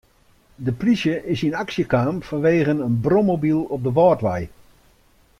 De plysje is yn aksje kaam fanwegen in brommobyl op de Wâldwei.